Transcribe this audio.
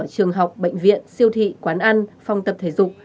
trường học bệnh viện siêu thị quán ăn phòng tập thể dục